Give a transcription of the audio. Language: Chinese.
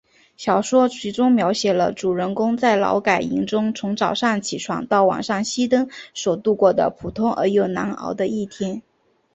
小说集中描写了主人公在劳改营中从早上起床到晚上熄灯所度过的普通而又难熬的一天。